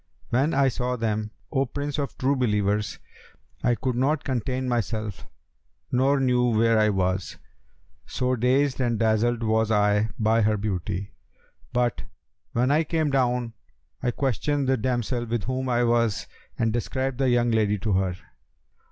When I saw them, O Prince of True Believers, I could not contain myself nor knew where I was, so dazed and dazzled was I by her beauty: but, when I came down, I questioned the damsel with whom I was and described the young lady to her.